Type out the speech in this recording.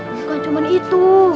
bukan cuma itu